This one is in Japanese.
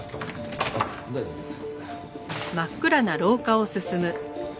あっ大丈夫です。